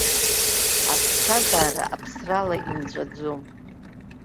Аԥсҭазаара аԥсрала инҵәаӡом.